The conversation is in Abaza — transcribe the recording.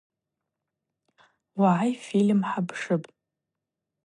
Угӏай фильм хӏапшыпӏ.